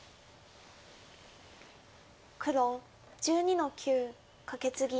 黒１２の九カケツギ。